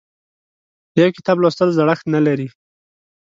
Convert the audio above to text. یو کتاب لوستل زړښت نه لري.